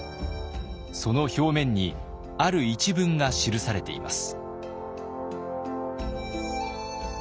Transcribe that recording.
その表面にある一文が記されています。